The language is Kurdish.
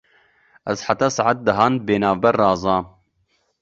Ez heta saet dehan bênavber razam.